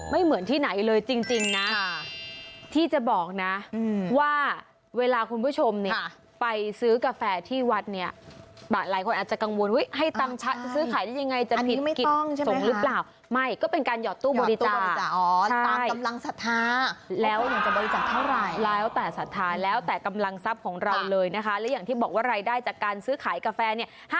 เหมือนที่ไหนเลยจริงนะที่จะบอกนะว่าเวลาคุณผู้ชมเนี่ยไปซื้อกาแฟที่วัดเนี่ยหลายคนอาจจะกังวลให้ตังค์ซื้อขายได้ยังไงจะผิดกินส่งหรือเปล่าไม่ก็เป็นการหยอดตู้บริจาคตามกำลังศรัทธาแล้วเนี่ยจะบริจาคเท่าไหร่แล้วแต่ศรัทธาแล้วแต่กำลังทรัพย์ของเราเลยนะคะและอย่างที่บอกว่ารายได้จากการซื้อขายกาแฟเนี่ย